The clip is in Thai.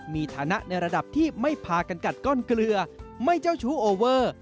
มีฐานะในระดับที่ไม่พากันกัดก้อนเกลือไม่เจ้าชู้โอเวอร์